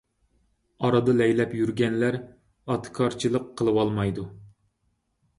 ئارىدا لەيلەپ يۈرگەنلەر ئاتىكارچىلىق قىلىۋالمايدۇ.